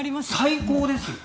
最高ですよ。